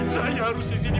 saya harus disini